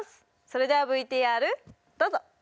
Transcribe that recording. それではＶＴＲどうぞ！